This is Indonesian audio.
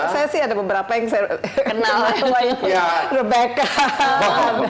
saya sih ada beberapa yang saya kenal